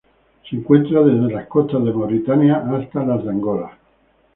Se encuentran desde las costas de Mauritania hasta las de Angola.